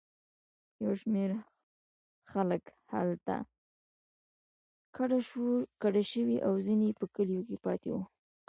یو شمېر خلک هلته کډه شوي او ځینې په کلیو کې پاتې وو.